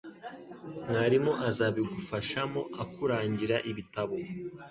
mwarimu azabigufasha mo akurangira ibitabo